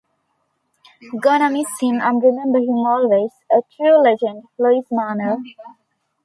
Gonna miss him and remember him always, a true legend- Lewis Marnell!!